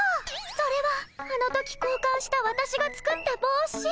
それはあの時こうかんしたわたしが作ったぼうし。